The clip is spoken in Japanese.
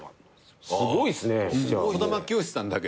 すごいっすね！